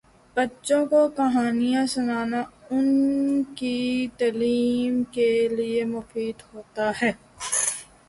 بچوں کو کہانیاں سنانا ان کی تعلیم کے لئے مفید ہوتا ہے۔